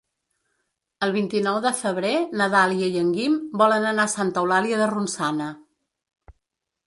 El vint-i-nou de febrer na Dàlia i en Guim volen anar a Santa Eulàlia de Ronçana.